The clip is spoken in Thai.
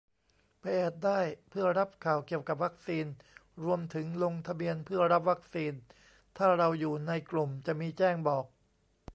ไปแอดได้ เพื่อรับข่าวเกี่ยวกับวัคซีน รวมถึงลงทะเบียนเพื่อรับวัคซีน ถ้าเราอยู่ในกลุ่ม จะมีแจ้งบอก